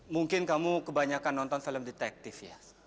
mungkin kamu kebanyakan nonton film detektif ya